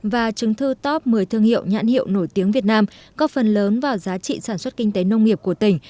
và chứng thư top một mươi thương hiệu nhãn hiệu nổi tiếng việt nam góp phần lớn vào giá trị sản xuất kinh tế nông nghiệp của tỉnh